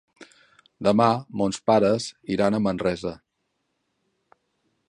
Demà mons pares iran a Manresa.